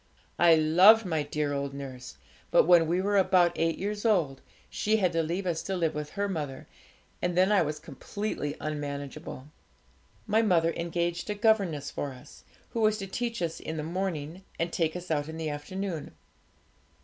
I loved my dear old nurse; but when we were about eight years old, she had to leave us to live with her mother, and then I was completely unmanageable. My mother engaged a governess for us, who was to teach us in a morning and take us out in the afternoon.